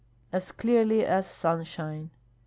"As clearly as sunshine."